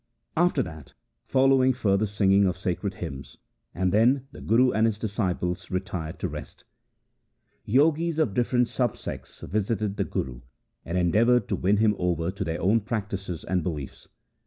After that followed further singing of sacred hymns, and then the Guru and his disciples retired to rest. Jogis of different sub sects visited the Guru, and endeavoured to win him over to their own practices and beliefs.